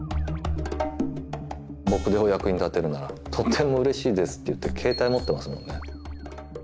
僕でお役に立てるならとっても嬉しいですって言って携帯持ってますもんね。